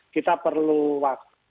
kita perlu waktu